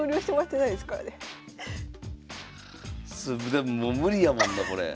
でももう無理やもんなこれ。